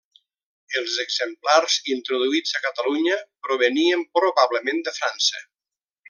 Els exemplars introduïts a Catalunya provenien probablement de França.